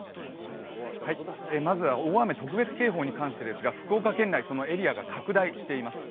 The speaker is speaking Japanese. まずは大雨特別警報に関してですが福岡県内、そのエリアが拡大しています。